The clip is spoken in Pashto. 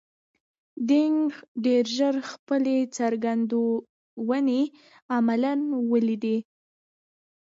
دینګ ډېر ژر خپلې څرګندونې عملاً ولیدې.